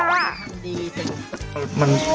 ดีจริง